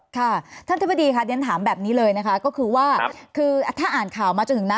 ค่ะท่านอธิบดีค่ะเรียนถามแบบนี้เลยนะคะก็คือว่าคือถ้าอ่านข่าวมาจนถึงนะ